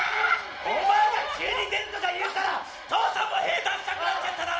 お前が急に「出る」とか言うから父さんもへ出したくなっちゃっただろう！